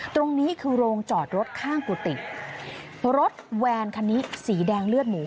ตรงนี้คือโรงจอดรถข้างกุฏิรถแวนคันนี้สีแดงเลือดหมู